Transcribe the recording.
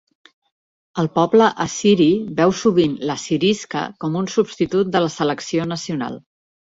El poble assiri veu sovint l'Assyriska com un substitut de la selecció nacional.